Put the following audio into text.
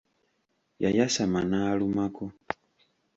Yayasama n'alumako.